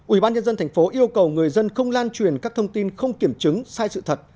ủy ban nhân dân thành phố yêu cầu người dân không lan truyền các thông tin không kiểm chứng sai sự thật